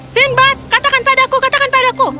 sinbad katakan padaku katakan padaku